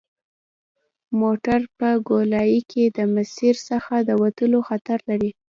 موټر په ګولایي کې د مسیر څخه د وتلو خطر لري